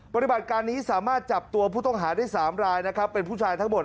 ปฏิบัติการนี้สามารถจับตัวผู้ต้องหาได้๓รายนะครับเป็นผู้ชายทั้งหมด